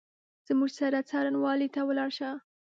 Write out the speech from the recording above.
زموږ سره څارنوالۍ ته ولاړ شه !